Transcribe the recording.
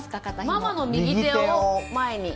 ママの右手を前に。